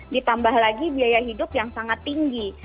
ditambah lagi biaya hidup yang sangat tinggi